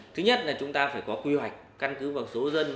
thứ nhất là chúng ta phải có quy hoạch căn cứ vào số dân